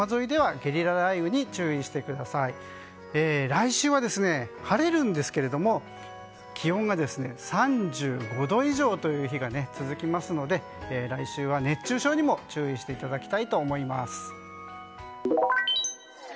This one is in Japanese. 来週は晴れるんですけども気温が３５度以上という日が続きますので来週は熱中症にも注意していただきたいと思います。